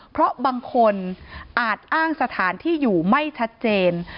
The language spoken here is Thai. เพราะบางคนอาจอ้างสถานที่อยู่ไม่ชัดเจน